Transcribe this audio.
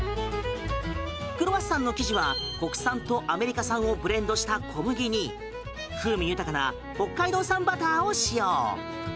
クロワッサンの生地は国産とアメリカ産をブレンドした小麦に風味豊かな北海道産バターを使用。